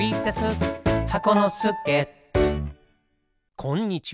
こんにちは。